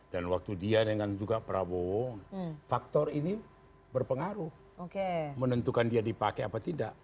dan waktu dia dengan juga prabowo faktor ini berpengaruh menentukan dia dipakai apa tidak